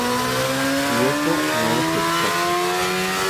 Y eso no es exacto.